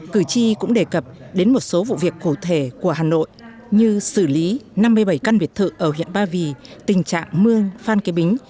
cử tri cũng đề cập đến một số vụ việc cụ thể của hà nội như xử lý năm mươi bảy căn biệt thự ở huyện ba vì tình trạng mưa phan kế bính